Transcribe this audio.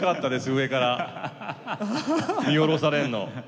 上から見下ろされるの。